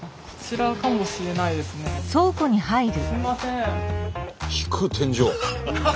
すいません。